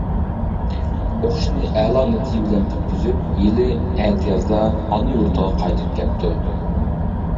ئوقۇشنى ئەلا نەتىجە بىلەن پۈتكۈزۈپ، يىلى ئەتىيازدا ئانا يۇرتىغا قايتىپ كەپتۇ.